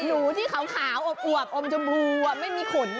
หนูที่เขาขาวอบอวกอมชมพูไม่มีขน